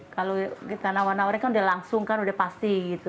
kalau kita nawar nawarin kan udah langsung kan udah pasti gitu